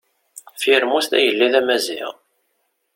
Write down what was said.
Firmus d agellid amaziɣ.